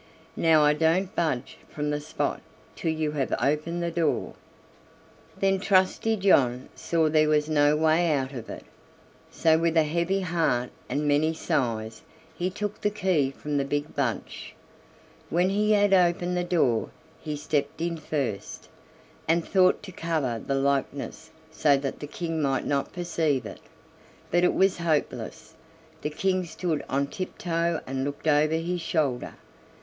Now I don't budge from the spot till you have opened the door." Then Trusty John saw there was no way out of it, so with a heavy heart and many sighs he took the key from the big bunch. When he had opened the door he stepped in first, and thought to cover the likeness so that the King might not perceive it; but it was hopeless: the King stood on tiptoe and looked over his shoulder.